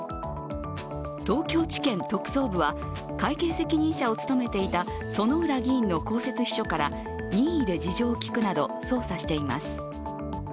東京地検特捜部は会計責任者を務めていた薗浦議員の公設秘書から任意で事情を聴くなど捜査を進めています。